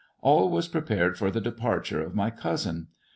All was prepared for the departure of my cousin.